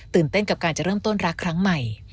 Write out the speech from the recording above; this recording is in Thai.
เต้นกับการจะเริ่มต้นรักครั้งใหม่